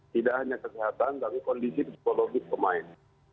tidak hanya kesehatan tapi kondisi psikologis pemain